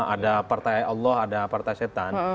ada partai allah ada partai setan